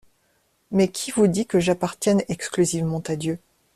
Mais qui vous dit que j'appartienne exclusivement à Dieu?